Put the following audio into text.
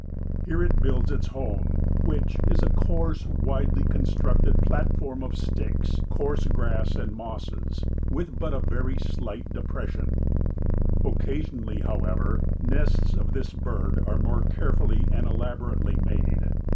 Here it builds its home, which "is a coarse, widely constructed platform of sticks, coarse grass and mosses, with but a very slight depression. Occasionally, however, nests of this bird are more carefully and elaborately made.